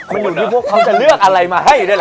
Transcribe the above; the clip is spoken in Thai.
มันอยู่ที่พวกเขาจะเลือกอะไรมาให้ด้วยล่ะ